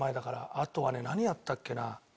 あとはね何やったっけな。